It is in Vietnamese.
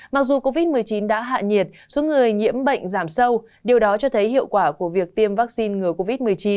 mặc dù covid một mươi chín đã hạ nhiệt số người nhiễm bệnh giảm sâu điều đó cho thấy hiệu quả của việc tiêm vaccine ngừa covid một mươi chín